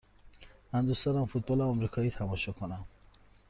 من دوست دارم فوتبال آمریکایی تماشا کنم.